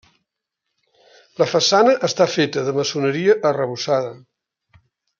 La façana està feta de maçoneria arrebossada.